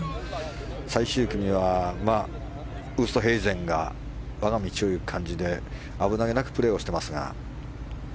最終組はウーストヘイゼンが我が道を行く感じで危なげなくプレーをしていますが。